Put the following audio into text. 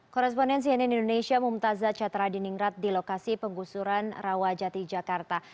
korrespondensi hni indonesia mumtazah catara diningrat di lokasi penggusuran rawajati jakarta